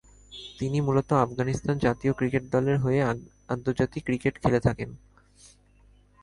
তিনি মূলত আফগানিস্তান জাতীয় ক্রিকেট দল এর হয়ে আন্তর্জাতিক ক্রিকেট খেলে থাকেন।